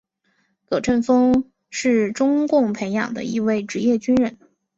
葛振峰是中共培养的一位职业军人。